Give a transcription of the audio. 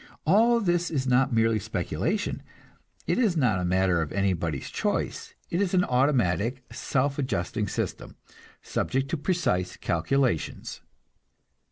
All this is not merely speculation, it is not a matter of anybody's choice; it is an automatic, self adjusting system, subject to precise calculations.